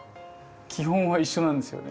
基本は一緒なんですよね。